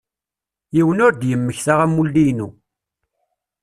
Yiwen ur d-yemmekta amulli-inu.